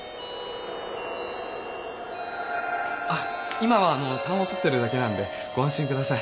今はタンを取ってるだけなんでご安心ください